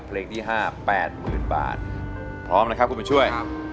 เพลงที่๕๘๐๐๐บาทพร้อมนะครับคุณบุญช่วย